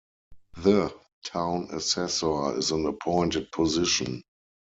The town assessor is an appointed position.